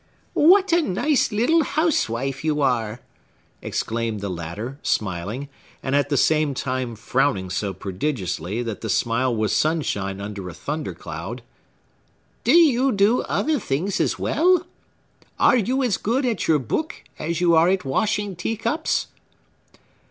"What a nice little housewife you are!" exclaimed the latter, smiling, and at the same time frowning so prodigiously that the smile was sunshine under a thunder cloud. "Do you do other things as well? Are you as good at your book as you are at washing teacups?"